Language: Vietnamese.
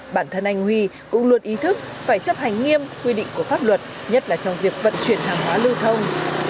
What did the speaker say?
bản thân anh huy cũng luôn ý thức phải chấp hành nghiêm quy định của pháp luật nhất là trong việc vận chuyển hàng hóa lưu thông